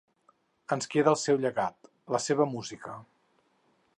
Ens queda el seu llegat, la seva música.